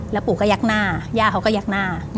แล้วปู่ก็ยักษ์หน้าย่าเขาก็ยักษ์หน้า